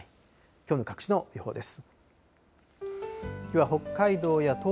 きょうの各地の予報です。